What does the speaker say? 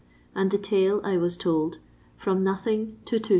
; and the tail, I was told, " from nothing to 2s.